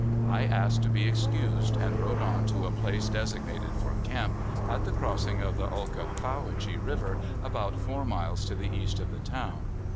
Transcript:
I asked to be excused, and rode on to a place designated for camp, at the crossing of the Ulcofauhachee River, about four miles to the east of the town.